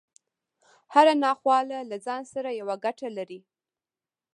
هره ناخواله له ځان سره يوه ګټه لري.